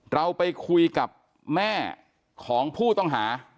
เราไปคุยกับแม่ของผู้ต้องหา